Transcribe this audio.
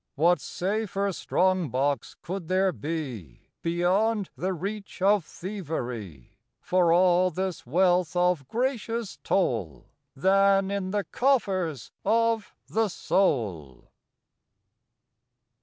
What safer strong box could there be Beyond the reach of thievery For all this wealth of gracious toll Than in the coffers of the soul?